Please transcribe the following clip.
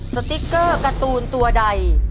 สติ๊กเกอร์การ์ตูนตัวใด